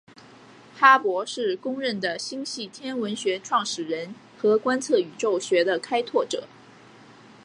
哈勃是公认的星系天文学创始人和观测宇宙学的开拓者。